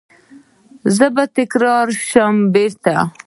زه به تکرار شم بیرته